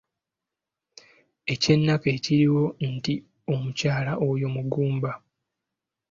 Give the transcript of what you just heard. Eky’ennaku ekiriwo nti omukyala oyo mugumba.